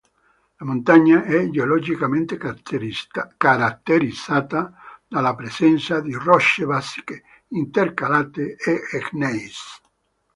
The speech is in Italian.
La montagna è geologicamente caratterizzata dalla presenza di rocce basiche intercalate a gneiss.